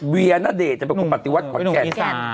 เวียนาเดชน์จะเป็นคนปฏิวัฒน์ขวัดแก่น